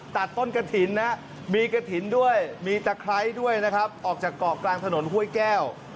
ตัดต้นกระถิ่นนะมีกระถิ่นด้วยมีตะไคร้ด้วยนะครับออกจากเกาะกลางถนนห้วยแก้ว